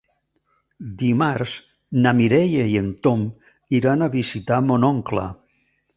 Dimarts na Mireia i en Tom iran a visitar mon oncle.